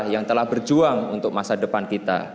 yang telah berjuang untuk masa depan kita